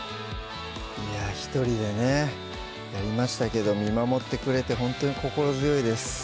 いや１人でねやりましたけど見守ってくれてほんとに心強いです